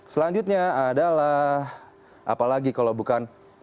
selanjutnya adalah apalagi kalau bukan kita yang menjadi produsen